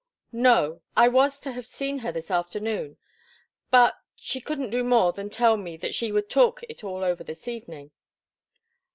"No. I was to have seen her this afternoon, but she couldn't do more than tell me that she would talk it all over this evening."